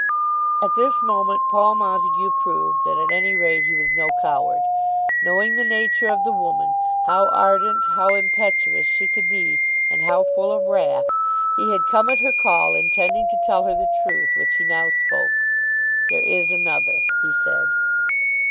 At this moment Paul Montague proved that at any rate he was no coward. Knowing the nature of the woman, how ardent, how impetuous she could be, and how full of wrath, he had come at her call intending to tell her the truth which he now spoke. "There is another," he said.